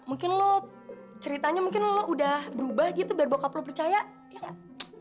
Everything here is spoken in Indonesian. mungkin lo ceritanya mungkin lo udah berubah gitu biar bokap lo percaya ya gak